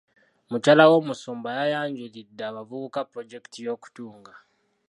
Mukyala w'omusumba yayanjulidde abavubuka pulojekiti y'okutunga.